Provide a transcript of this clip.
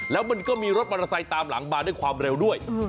แล้วมันก็มีรถมอเตอร์ไซค์ตามหลังมาด้วยความเร็วด้วย